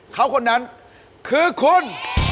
เขาคนนั้นคือคุณ